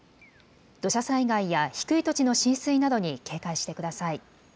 土砂災害や低い土地の浸水などに警戒してください。